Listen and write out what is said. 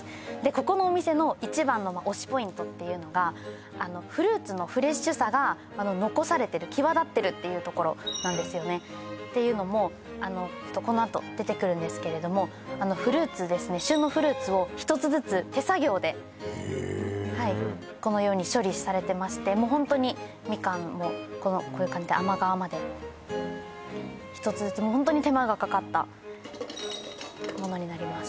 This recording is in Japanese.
ここのお店の一番の推しポイントっていうのがフルーツのフレッシュさが残されてる際立ってるっていうところなんですよねっていうのもあのこのあと出てくるんですけれどもフルーツですね旬のフルーツを一つずつ手作業でへえはいこのように処理されてましてもうホントにみかんもこういう感じで甘皮まで一つずつもうホントに手間がかかったものになります